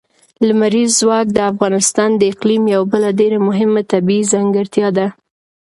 لمریز ځواک د افغانستان د اقلیم یوه بله ډېره مهمه طبیعي ځانګړتیا ده.